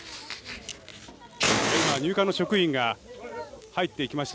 今、入管の職員が入っていきました。